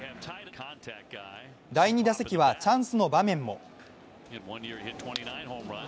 第２打席はチャンスの場面も。